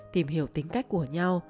tìm hiểu tính cách của nhau